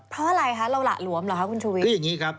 เพราะอะไรคะเราหละหลวมเหรอคะคุณชูวิทคืออย่างนี้ครับ